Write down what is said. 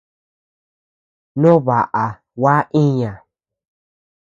No baʼa gua iña.